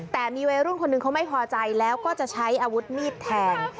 แต่มีวัยรุ่นคนหนึ่งเขาไม่พอใจแล้วก็จะใช้อาวุธมีดแทง